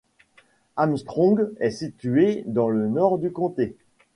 Armstrong est situé dans le nord du comté.